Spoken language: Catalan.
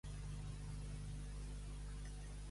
Qui va rebre una punyada?